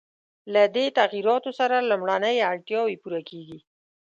له دې تغییراتو سره لومړنۍ اړتیاوې پوره کېږي.